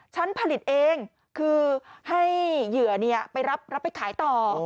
ฉันผลิตเองคือให้เหยื่อไปรับไปขายต่อ